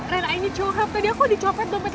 ren ini cohab tadi aku di copet dompet